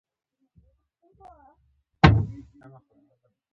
ما فکر وکړ نور فامیل به څنګه کېږي؟